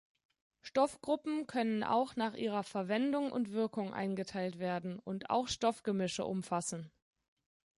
Stoffgruppen können auch nach ihrer "Verwendung" und "Wirkung" eingeteilt werden und auch Stoffgemische umfassen.